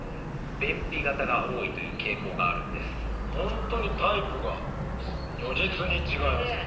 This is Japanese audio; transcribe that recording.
本当にタイプが如実に違いますね。